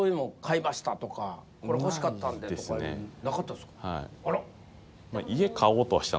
これ欲しかったんでとかなかったっすか。